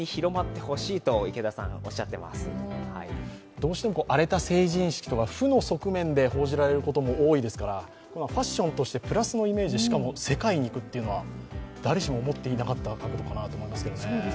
どうしても荒れた成人式とか、負の側面で報じられることも多いですから、ファッションとしてプラスのイメージ、しかも世界に行くというのは誰しも思っていなかった角度かなと思いますけどね。